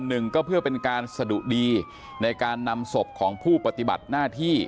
หนึ่งก็เพื่อเป็นการสะดุดีในการนำศพของผู้ปฏิบัติหน้าที่